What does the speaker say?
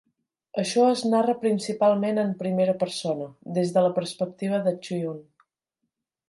Això es narra principalment en primera persona, des de la perspectiva de Chiun.